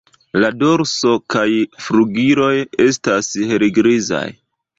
La dorso kaj flugiloj estas helgrizaj.